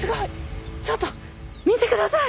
ちょっと見て下さい！